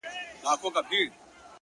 روح مي نو څه وخت مهربانه په کرم نیسې؛